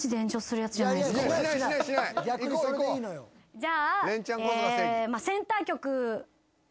じゃあ。